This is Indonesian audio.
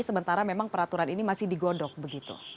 sementara memang peraturan ini masih digunakan